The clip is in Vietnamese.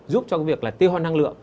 giúp cho việc tiêu hoa năng lượng